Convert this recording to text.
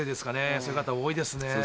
そういう方多いですね。